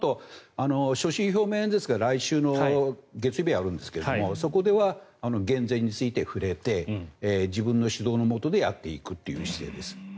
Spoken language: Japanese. だから、このあと所信表明演説が来週の月曜日にあるんですけどそこでは減税について触れて自分の主導のもとやっていくという姿勢です。